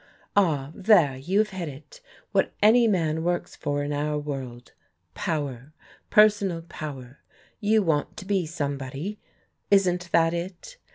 "Ah, there you have hit it, what any man works for in our world. Power, personal power. You want to be somebody, isn't that it?